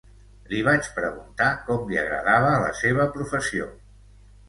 Li vaig preguntar com li agradava la seva professió.